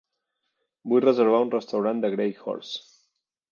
Vull reservar a un restaurant de Gray Horse.